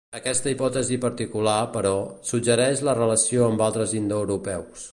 Aquesta hipòtesi particular, però, suggereix la relaciona amb altres indoeuropeus.